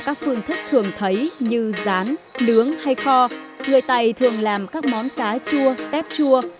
các phương thức thường thấy như rán nướng hay kho người tày thường làm các món cá chua tép chua